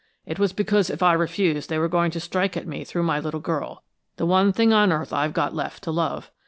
It was because if I refused they were going to strike at me through my little girl, the one thing on earth I've got left to love!